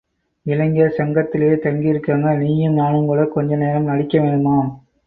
இளைஞர் சங்கத்திலே தங்கியிருக்காங்க, நீயும் நானும் கூட கொஞ்ச நேரம் நடிக்க வேணுமாம்.